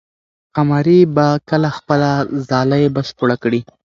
قمري به کله خپله ځالۍ بشپړه کړي؟